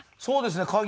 そうですね。